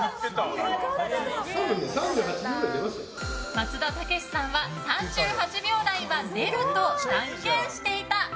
松田丈志さんは３８秒台は出ると断言していた。